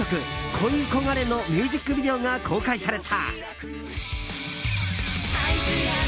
「コイコガレ」のミュージックビデオが公開された。